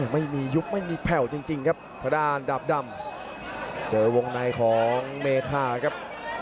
ไม่มียุบไม่มีแผ่วจริงครับทางด้านดาบดำเจอวงในของเมคาครับ